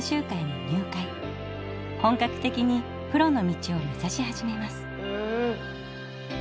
本格的にプロの道を目指し始めます。